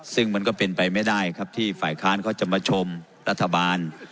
ซึ่งมันก็เป็นไปไม่ได้ครับที่ฝ่ายค้านเขาจะมาชมรัฐบาล